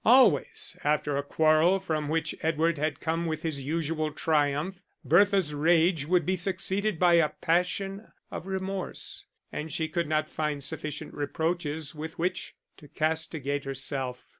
Always, after a quarrel from which Edward had come with his usual triumph, Bertha's rage would be succeeded by a passion of remorse; and she could not find sufficient reproaches with which to castigate herself.